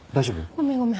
ごめんごめん。